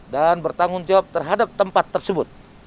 dan bertanggung jawab terhadap tempat tersebut